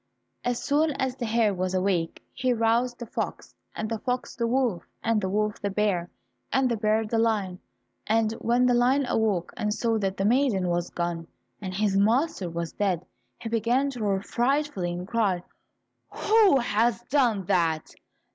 As soon as the hare was awake, he roused the fox, and the fox, the wolf, and the wolf the bear, and the bear the lion. And when the lion awoke and saw that the maiden was gone, and his master was dead, he began to roar frightfully and cried, "Who has done that?